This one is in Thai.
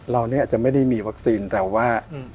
เราเนี่ยจะไม่ได้มีวัคซีนแต่ว่า